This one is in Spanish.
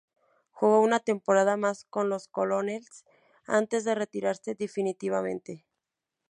Jugó una temporada más con los Colonels antes de retirarse definitivamente.